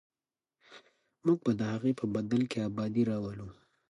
موږ به د هغې په بدل کې ابادي راولو.